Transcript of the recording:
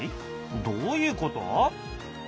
どういうこと？